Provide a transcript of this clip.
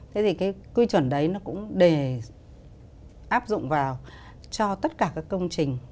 thế thì cái quy chuẩn đấy nó cũng để áp dụng vào cho tất cả các công trình